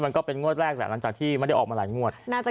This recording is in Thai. ก็เป็นงวดแรกแหละหลังจากที่ไม่ได้ออกมาหลายงวด